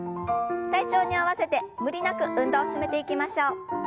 体調に合わせて無理なく運動を進めていきましょう。